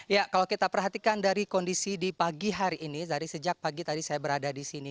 ya kalau kita perhatikan dari kondisi di pagi hari ini dari sejak pagi tadi saya berada di sini